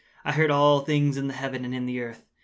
I heard all things in the heaven and in the earth.